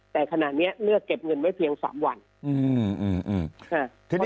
แต่ขณะเนี้ยเลือกเก็บเงินไว้เพียงสามวันอืมอืมอืมอืมค่ะ